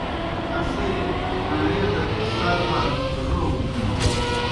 اسے کݨے دہ سربر روغ بِلِن۔